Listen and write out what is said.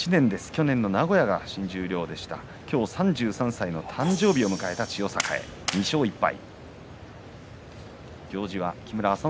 去年の名古屋が新十両でした今日３３歳の誕生日を迎えた千代栄、２勝１敗。